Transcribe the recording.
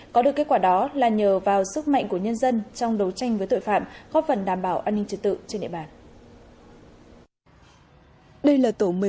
có được kết quả đó là nhờ vào sức mạnh của nhân dân trong đấu tranh với tội phạm góp phần đảm bảo an ninh trật tự trên địa bàn